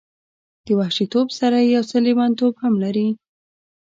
د وحشي توب سره یو څه لیونتوب هم لري.